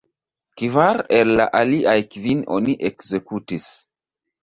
Kvar el la aliaj kvin oni ekzekutis.